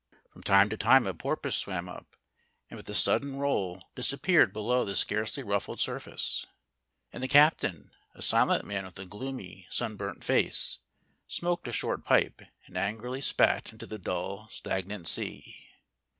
From time to time a porpoise swam up, and with a sudden roll disappeared below the scarcely ruffled surface. And the captain, a silent man with a gloomy, sunburnt face, smoked a short pipe and angrily spat into the dull, stagnant sea.